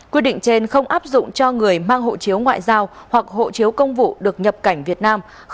quyết định trên không áp dụng cho người mang hộ chiếu ngoại giao hoặc hộ chiếu công vụ được nhập cảnh việt nam